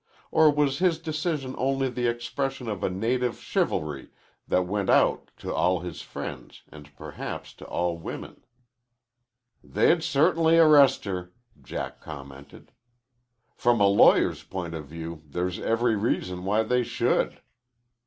Or was his decision only the expression of a native chivalry that went out to all his friends and perhaps to all women? "They'd certainly arrest her," Jack commented. "From a lawyer's point of view there's every reason why they should.